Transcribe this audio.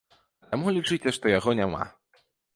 А таму, лічыце, што яго няма.